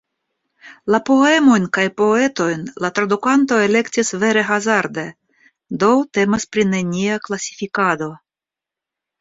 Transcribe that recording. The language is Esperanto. La poemojn kaj poetojn la tradukanto elektis vere hazarde, do temas pri nenia klasifikado.